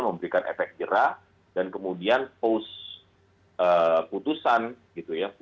memberikan efek jerah dan kemudian post putusan gitu ya